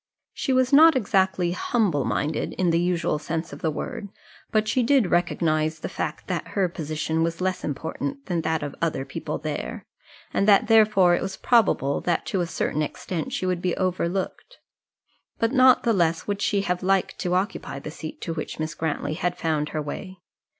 She was not exactly humble minded in the usual sense of the word; but she did recognize the fact that her position was less important than that of other people there, and that therefore it was probable that to a certain extent she would be overlooked. But not the less would she have liked to occupy the seat to which Miss Grantly had found her way.